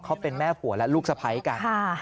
เขาเป็นแม่ผัวและลูกสะพ้ายกัน